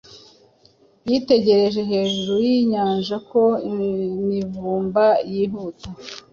Yitegereje hejuru yinyanjako imivumba yihuta